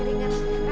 akhirnya keluar juga